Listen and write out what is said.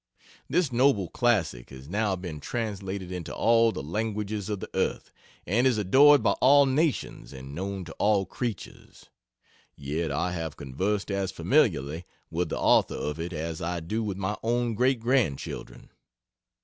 This noble classic has now been translated into all the languages of the earth and is adored by all nations and known to all creatures. Yet I have conversed as familiarly with the author of it as I do with my own great grandchildren.